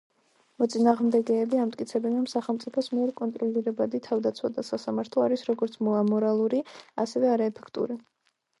მოწინააღმდეგეები ამტკიცებენ რომ სახელმწიფოს მიერ კონტროლირებადი თავდაცვა და სასამართლო არის როგორც ამორალური, ასევე არაეფექტური.